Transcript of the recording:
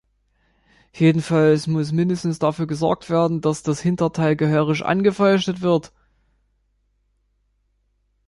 Jedenfalls muss zumindest dafür gesorgt werden, dass das Hinterteil gehörig angefeuchtet wird.